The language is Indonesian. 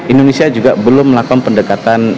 indonesia juga belum melakukan pendekatan